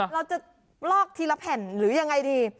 เราจะลอกทีละแผ่นหรือยังไงดี